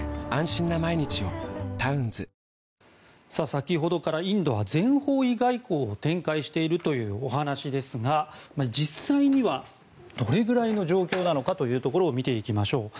先ほどからインドは全方位外交を展開しているというお話ですが実際にはどれぐらいの状況なのかを見ていきましょう。